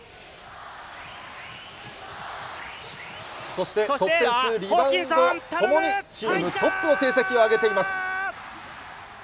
そして、得点数、リバウンドともにチームトップの成績を挙げています。